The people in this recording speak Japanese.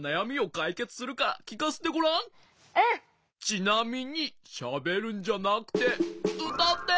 ちなみにしゃべるんじゃなくてうたって。